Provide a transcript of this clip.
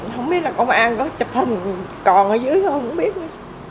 không biết là công an có chụp hình còn ở dưới thôi không biết nữa